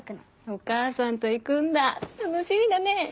お母さんと行くんだ楽しみだね！